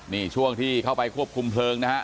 นี่ช่วงที่เข้าไปควบคุมเพลิงนะฮะ